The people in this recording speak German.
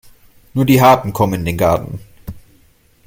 Nur die Harten kommen in den Garten.